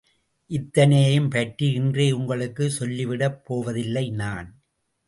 இத்தனையையும் பற்றி இன்றே உங்களுக்குச் சொல்லிவிடப் போவதில்லை நான்.